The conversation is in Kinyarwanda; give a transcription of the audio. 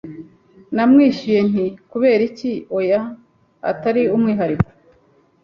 Namwishuye nti: “Kubera iki, oya, atari umwihariko.”